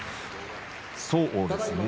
そうですね。